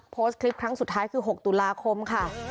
โพสต์คลิปครั้งสุดท้ายคือ๖ตุลาคมค่ะ